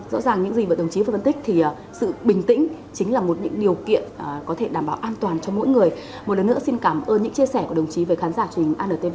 rõ ràng những gì đồng chí phân tích thì sự bình tĩnh chính là một điều kiện có thể đảm bảo an toàn cho mỗi người một lần nữa xin cảm ơn những chia sẻ của đồng chí về khán giả truyền anntv